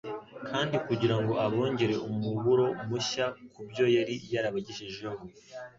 kandi kugira ngo abongere umuburo mushya ku byo yari yarabagejejeho.